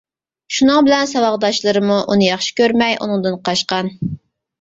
شۇنىڭ بىلەن ساۋاقداشلىرىمۇ ئۇنى ياخشى كۆرمەي، ئۇنىڭدىن قاچقان.